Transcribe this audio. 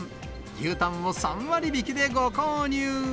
牛タンを３割引きでご購入。